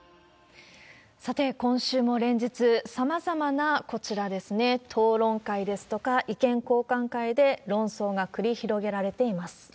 さて、今週も連日、さまざまな、こちらですね、討論会ですとか意見交換会で論争が繰り広げられています。